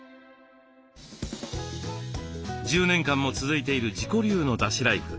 １０年間も続いている自己流のだしライフ。